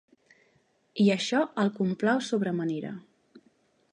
I això el complau sobre manera.